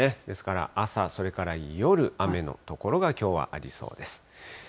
ですから、朝、それから夜、雨の所がきょうはありそうです。